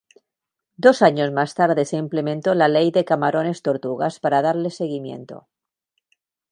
Dos años más tarde se implementó la ley de Camarones-Tortugas para darle seguimiento.